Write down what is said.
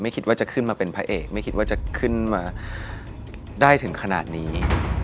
คิดว่าจะขึ้นมาเป็นพระเอกไม่คิดว่าจะขึ้นมาได้ถึงขนาดนี้